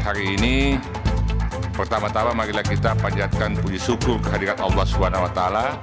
hari ini pertama tama marilah kita panjatkan puji syukur kehadirat allah swt